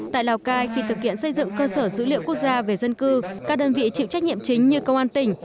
tại lào cai khi thực hiện xây dựng cơ sở dữ liệu quốc gia về dân cư các đơn vị chịu trách nhiệm chính như công an tỉnh